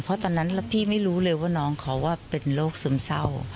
เพราะตอนนั้นพี่ไม่รู้เลยว่าน้องเขาเป็นโรคซึมเศร้า